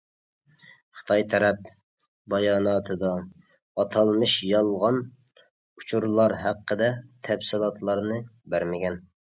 خىتاي تەرەپ باياناتىدا ئاتالمىش «يالغان ئۇچۇرلار» ھەققىدە تەپسىلاتلارنى بەرمىگەن.